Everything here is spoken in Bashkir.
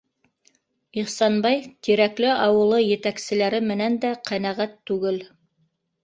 Ихсанбай Тирәкле ауылы етәкселәре менән дә ҡәнәғәт түгел.